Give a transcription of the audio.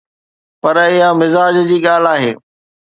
پر اها مزاج جي ڳالهه آهي.